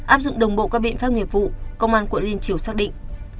áp dụng đồng bộ các biện pháp nghiệp vụ công an quận liên triều xác định